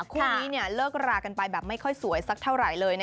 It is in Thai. คู่นี้เลิกรากันไปแบบไม่ค่อยสวยสักเท่าไหร่เลย